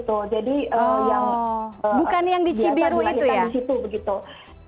oh bukan yang di cibiru itu ya